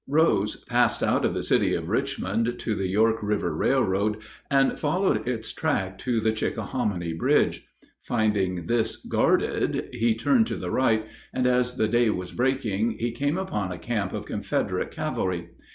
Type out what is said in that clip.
] Rose passed out of the city of Richmond to the York River Railroad, and followed its track to the Chickahominy bridge. Finding this guarded, he turned to the right, and as the day was breaking he came upon a camp of Confederate cavalry.